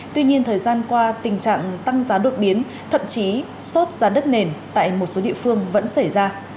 tuy nhiên thời gian qua tình trạng tăng giá đột biến thậm chí sốt giá đất nền tại một số địa phương vẫn xảy ra